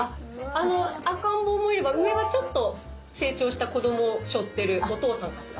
赤ん坊もいれば上はちょっと成長した子供をしょってるお父さんかしら。